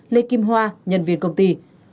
lê kim hoa nhân viên công ty